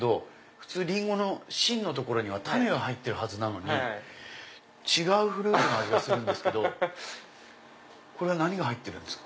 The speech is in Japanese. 普通リンゴの芯の所には種が入ってるはずなのに違うフルーツの味がするんですけどこれは何が入ってるんですか？